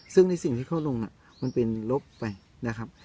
ซึ่งในสิ่งที่เขาลงมันเป็นลบไปนะครับ